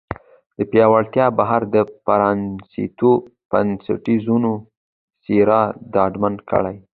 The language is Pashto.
د پیاوړتیا بهیر د پرانیستو بنسټونو مسیر ډاډمن کړ.